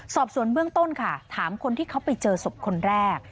สอบสวนเบื้องต้นค่ะถามคนที่เขาไปเจอศพคนแรก